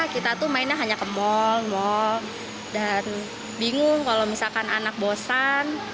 kita tuh mainnya hanya ke mal mal dan bingung kalau misalkan anak bosan